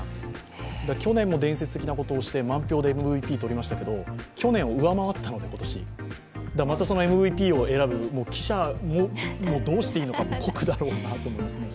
去年も伝説的なことをして満票でＭＶＰ取りましたけど去年上回ったのでそのＭＶＰを選ぶ記者もどうしていいのか酷だろうなと。